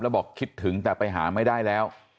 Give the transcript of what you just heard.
แล้วบอกคิดถึงแต่ไปหาไม่ได้แล้ว